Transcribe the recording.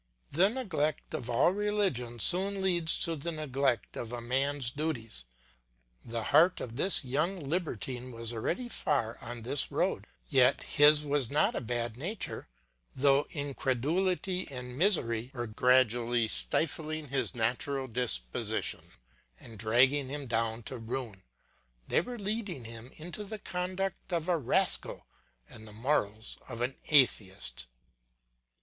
The neglect of all religion soon leads to the neglect of a man's duties. The heart of this young libertine was already far on this road. Yet his was not a bad nature, though incredulity and misery were gradually stifling his natural disposition and dragging him down to ruin; they were leading him into the conduct of a rascal and the morals of an atheist.